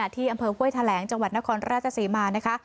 ที่อำเภอห้วยแถลงจังหวัดนครราชศรีมานะคะ